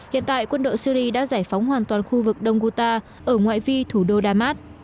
hiện tại quân đội syri đã giải phóng hoàn toàn khu vực đông guta ở ngoại vi thủ đô damas